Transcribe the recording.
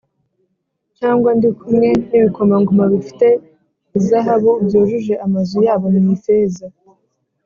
cyangwa ndi kumwe n’ibikomangoma bifite izahabu, byujuje amazu yabo mu ifeza